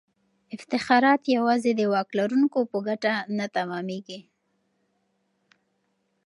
افتخارات یوازې د واک لرونکو په ګټه نه تمامیږي.